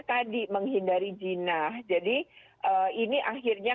tadi menghindari jinah jadi ini akhirnya